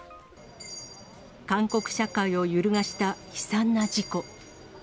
韓国社会を揺るがした悲惨な事故。